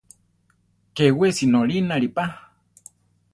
Ké wesi norínare pa.